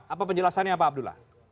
apa penjelasannya pak abdullah